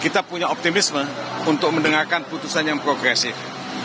kita punya optimisme untuk mendengarkan putusan yang progresif